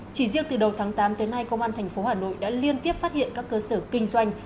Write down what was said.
chỉ riêng từ đầu tháng tám tới nay công an tp hà nội đã liên tiếp phát hiện các cơ sở kinh doanh